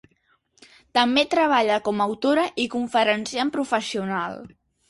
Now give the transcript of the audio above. També treballa com a autora i conferenciant professional.